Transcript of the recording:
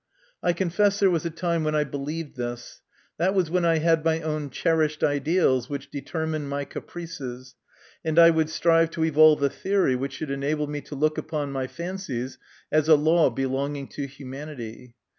I confess there was a time when I believed this. That was when I had my own cherished ideals which determined my caprices, and I would strive to evolve a theory which should enable me to look upon my fancies as a law belonging to humanity.